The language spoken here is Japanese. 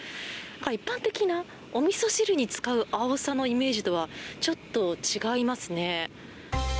一般的なおみそ汁に使うアオサのイメージとはちょっと違いますね。